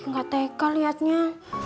gak teka liatnya